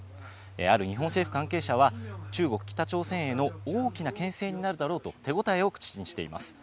ある日本政府関係者は、中国、北朝鮮への大きなけん制になるだろうと、手応えを口にしています。